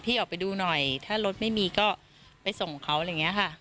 ออกไปดูหน่อยถ้ารถไม่มีก็ไปส่งเขาอะไรอย่างนี้ค่ะ